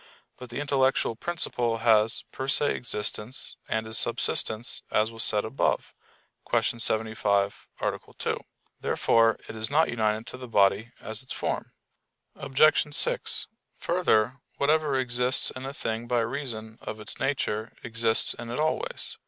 But the intellectual principle has per se existence and is subsistent, as was said above (Q. 75, A. 2). Therefore it is not united to the body as its form. Obj. 6: Further, whatever exists in a thing by reason of its nature exists in it always.